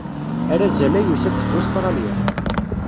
Arazal-a yusa-d seg Ustṛalya.